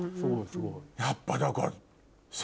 やっぱだから。